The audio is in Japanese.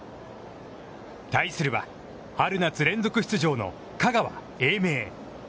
対するは春夏連続出場の香川・英明。